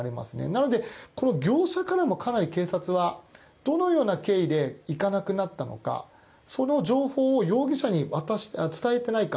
なのでこの業者からもかなり警察はどのような経緯で行かなくなったのかその情報を容疑者に伝えていないか。